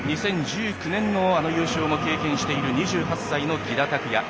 ２０１９年の優勝も経験している２８歳の喜田拓也。